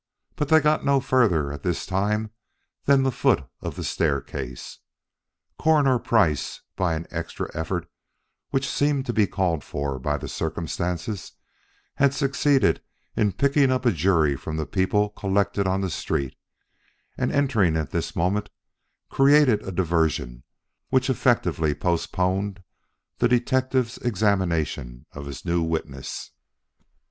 But they got no further at this time than the foot of the staircase. Coroner Price, by an extra effort which seemed to be called for by the circumstances, had succeeded in picking up a jury from the people collected on the street, and entering at this moment, created a diversion which effectively postponed the detective's examination of his new witness.